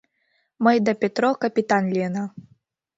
— Мый да Петро капитан лийына.